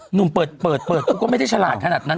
หนุ่มเปิดก็ไม่ได้ฉลาดขนาดนั้น